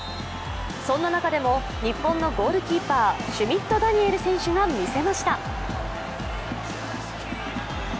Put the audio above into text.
そんな中でも日本のゴールキーパー、シュミット・ダニエル選手が見せました。